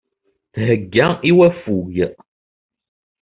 Thegga i waffug.